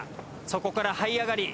そこからはい上がり